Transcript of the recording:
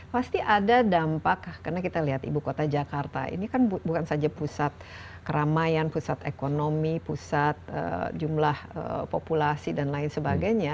pasti ada dampak karena kita lihat ibu kota jakarta ini kan bukan saja pusat keramaian pusat ekonomi pusat jumlah populasi dan lain sebagainya